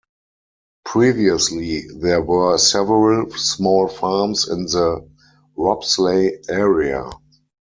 Previously there were several small farms in the Ropsley area.